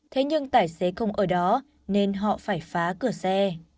thế nhưng tài xế không ở đó nên họ phải phá cửa xe